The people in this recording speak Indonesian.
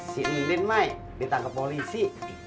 si indin mai ditangkep polisi